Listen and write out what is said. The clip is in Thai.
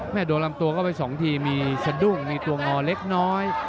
แม่โดรัมตัวก็ไปสองทีมีสะดุ้งมีตัวงอเล็กน้อย